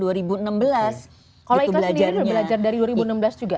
kalau iklan sendiri belajar dari dua ribu enam belas juga